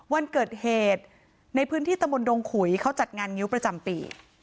วันเกิดเหตุในพื้นที่ตะมนตงขุยเขาจัดงานงิ้วประจำปี